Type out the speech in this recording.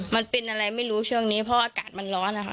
มันเป็นอะไรไม่รู้ช่วงนี้เพราะอากาศมันร้อนนะคะ